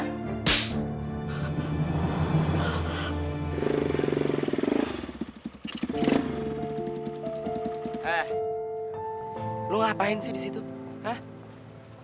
eh apa yang kamu lakukan di sana